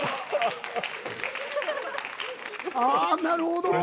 あなるほど。